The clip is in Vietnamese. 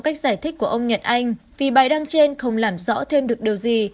cách giải thích của ông nhật anh vì bài đăng trên không làm rõ thêm được điều gì